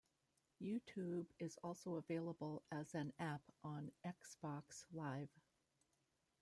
YouTube is also available as an app on Xbox Live.